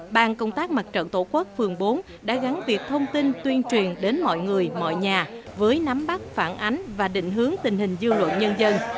ban công tác mặt trận tổ quốc phường bốn đã gắn việc thông tin tuyên truyền đến mọi người mọi nhà với nắm bắt phản ánh và định hướng tình hình dư luận nhân dân